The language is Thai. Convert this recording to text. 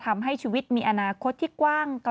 ราชวรมหาวิหาร